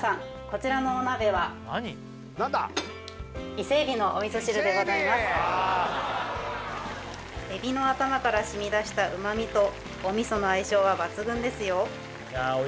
こちらのお鍋は海老の頭からしみ出したうまみとお味噌の相性は抜群ですよ